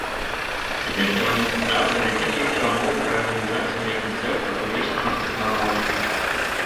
Цяпер кіраўніцтва тэатра вядзе з ёй перамовы пра арганізацыю яе канцэрта ўвесну наступнага года.